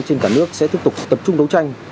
trên cả nước sẽ tiếp tục tập trung đấu tranh